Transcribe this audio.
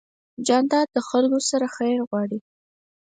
جانداد د خلکو سره خیر غواړي.